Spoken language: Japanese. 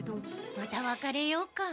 また分かれようか。